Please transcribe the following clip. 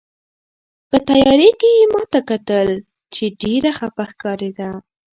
په تیارې کې یې ما ته کتل، چې ډېره خپه ښکارېده.